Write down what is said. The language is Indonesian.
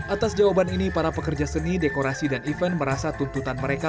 atas jawaban ini para pekerja seni dekorasi dan event merasa tuntutan mereka